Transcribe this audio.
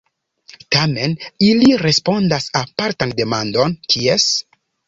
Tamen ili respondas apartan demandon: "kies?